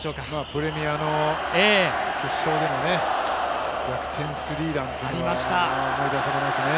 プレミアの決勝での逆転スリーランというのは思い出されますね。